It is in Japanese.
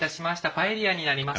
パエリアになります。